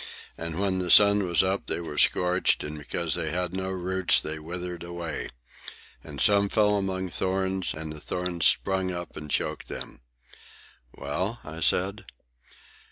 And when the sun was up they were scorched, and because they had no root they withered away. And some fell among thorns, and the thorns sprung up and choked them." "Well?" I said.